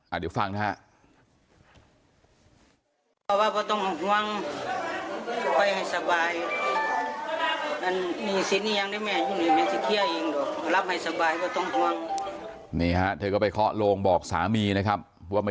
เดี๋ยวฟังนะฮะ